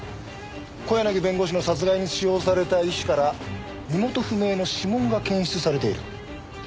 小柳弁護士の殺害に使用された石から身元不明の指紋が検出されている。